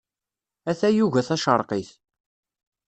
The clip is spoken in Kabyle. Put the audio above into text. A tayuga tacerqit.